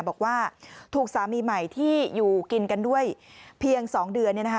บอกว่าถูกสามีใหม่ที่อยู่กินกันด้วยเพียง๒เดือน